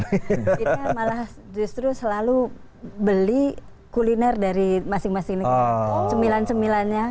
kita malah justru selalu beli kuliner dari masing masing cemilan cemilannya